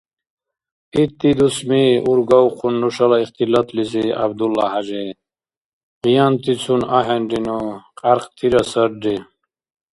— Итди дусми, — ургавхъун нушала ихтилатлизи ГӀябдуллахӀяжи, — къиянтицун ахӀенрину, кьяркьтира сарри.